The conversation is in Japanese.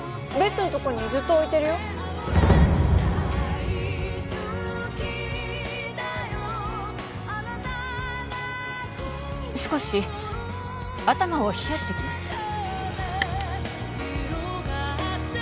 ベッドのとこにずっと置いてるよ少し頭を冷やしてきます